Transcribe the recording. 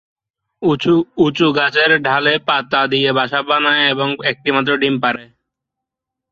উঁচু গাছের ডালে পাতা দিয়ে বাসা বানায় এবং একটি মাত্র ডিম পাড়ে।